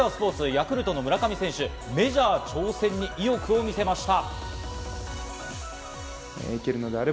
ヤクルトの村上選手、メジャー挑戦に意欲を見せました。